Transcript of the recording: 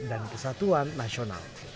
dan kesatuan nasional